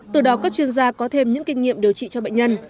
từ đó các chuyên gia có thêm những kinh nghiệm điều trị cho bệnh nhân